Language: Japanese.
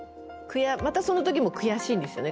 またその時も悔しいんですよね